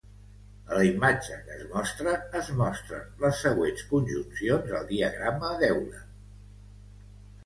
A la imatge que es mostra, es mostren les següents conjuncions al diagrama d'Euler.